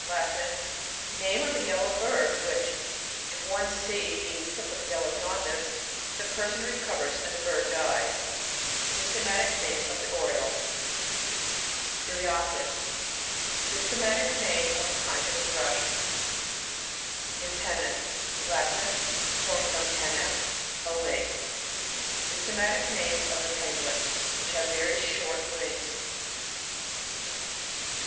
— Latin. (Nameof a yellow bird, which, if one see, being sick of the yellow jaundice, the person recovers, and the bird dies.) Sys« tematic name of the Oriole. Iliacus. — Systematic name of a kind of Thrush, Impbnnis. — Latin, (formed from pen^ na, a wing.) Systematic name of the Penguins which have very shoit wings.